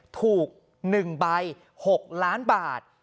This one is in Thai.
ถูก๑ใบ๖ล้านบาท